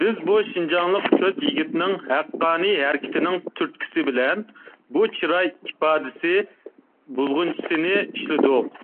بىز بۇ شىنجاڭلىق تۆت يىگىتنىڭ ھەققانىي ھەرىكىتىنىڭ تۈرتكىسى بىلەن بۇ چىراي ئىپادىسى بوغچىسىنى ئىشلىدۇق.